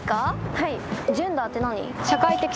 はい。